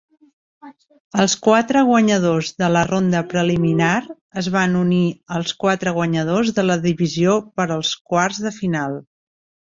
Els quatre guanyadors de la ronda preliminar es van unir als quatre guanyadors de la divisió per als quarts de final.